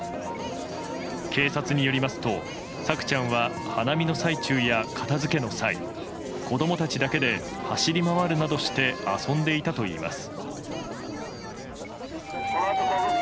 警察によりますと朔ちゃんは花見の最中や片付けの際子供たちだけで走り回るなどして遊んでいたといいます。